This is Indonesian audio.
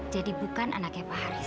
jadi bukan anaknya pak haris